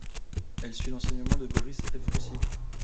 Elle suit l'enseignement de Boris Ephrussi.